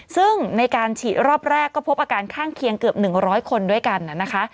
ซึ่งในการฉีดรอบแรกก็พบอาการข้างเคียงเกือบ๑๐๐คนด้วยกันนะคะ